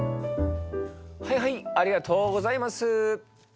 はいはいありがとうございます。